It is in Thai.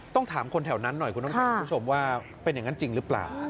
ต้องถามคนแถวนั้นหน่อยคุณผู้ชมว่าเป็นอย่างนั้นจริงหรือเปล่า